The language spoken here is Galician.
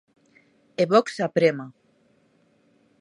E Vox aprema.